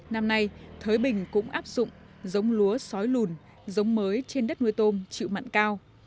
năm nay thới bình cũng áp dụng giống lúa sói lùn giống mới trên đất nuôi tôm chịu mặn cao